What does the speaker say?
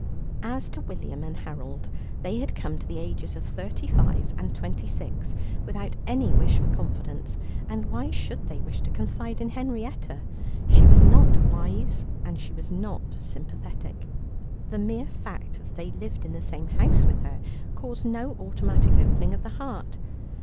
As to William and Harold, they had come to the ages of thirty five and twenty six without any wish for confidence, and why should they wish to confide in Henrietta? She was not wise and she was not sympathetic. The mere fact that they lived in the same house with her caused no automatic opening of the heart.